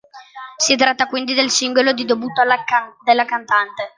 Si tratta quindi del singolo di debutto della cantante.